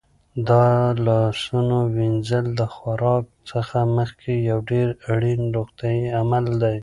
د لاسونو وینځل د خوراک څخه مخکې یو ډېر اړین روغتیايي عمل دی.